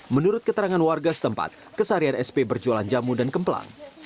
menurut keterangan warga setempat keseharian sp berjualan jamu dan kemplang